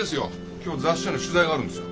今日雑誌社の取材があるんですよ。